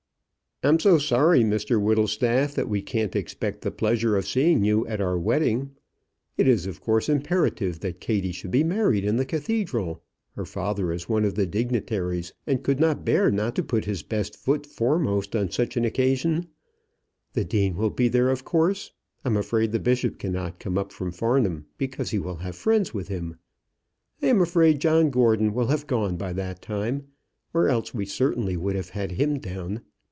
"I'm so sorry, Mr Whittlestaff, that we can't expect the pleasure of seeing you at our wedding. It is, of course, imperative that Kattie should be married in the cathedral. Her father is one of the dignitaries, and could not bear not to put his best foot foremost on such an occasion. The Dean will be there, of course. I'm afraid the Bishop cannot come up from Farnham, because he will have friends with him. I am afraid John Gordon will have gone by that time, or else we certainly would have had him down.